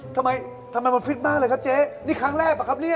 ทำไมทำไมมันฟิตมากเลยครับเจ๊นี่ครั้งแรกอะครับเนี่ย